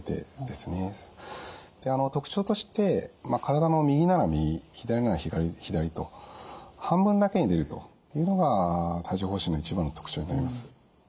特徴として体の右なら右左なら左と半分だけに出るというのが帯状ほう疹の一番の特徴になります。